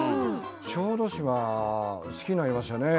小豆島は好きになりましたね。